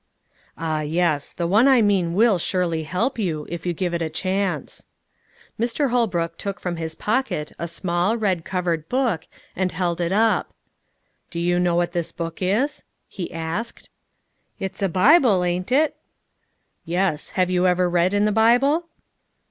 "Ah yes; the one I mean will surely help you, if you give it a chance." Mr. Holbrook took from his pocket a small, red covered book, and held it up. "Do you know what book this is?" he asked. "It's a Bible, ain't it?" "Yes. Have you ever read in the Bible?"